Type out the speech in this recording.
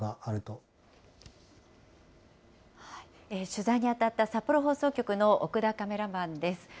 取材に当たった、札幌放送局の奥田カメラマンです。